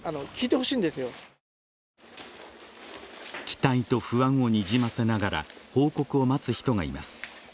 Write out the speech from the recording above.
期待と不安をにじませながら報告を待つ人がいます。